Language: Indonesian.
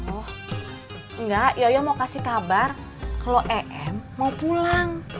oh enggak yayo mau kasih kabar kalau em mau pulang